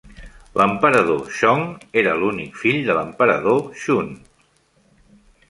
L'emperador Chong era l'únic fill de l'emperador Shun.